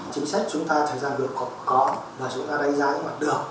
chính sách chúng ta thời gian được có và chúng ta đánh giá những mặt được